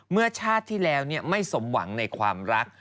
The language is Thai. เมื่อชาติที่แล้วไม่สมหวังในความรัก